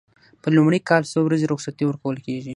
په لومړي کال څو ورځې رخصتي ورکول کیږي؟